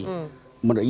yang rutin yang resmi